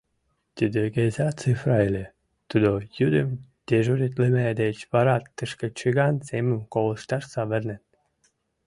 Тиде Геза Цифра ыле, тудо йӱдым дежуритлыме деч вара тышке чыган семым колышташ савырнен.